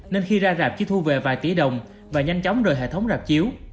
nên khi ra rạp chỉ thu về vài tỷ đồng và nhanh chóng rời hệ thống rạp chiếu